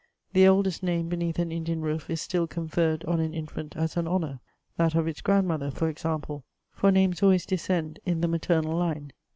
The oldest name beheath an Indian roof is still conferred on an infant as an honour, that of its grandmother for example, for names always descend in the maternal line.